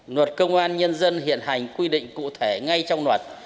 luật công an nhân dân hiện hành quy định cụ thể ngay trong luật